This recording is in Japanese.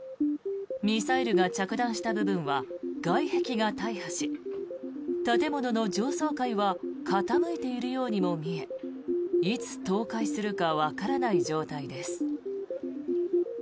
ミサイルが着弾した部分は外壁が大破し建物の上層階は傾いているようにも見えいつ倒壊するかわからない状態です。